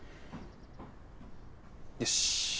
よし。